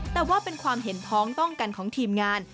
แต่ว่าเป็นความเห็นพ้องต้องกันของทีมงาน